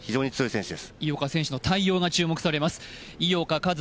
井岡選手の対応が注目されます。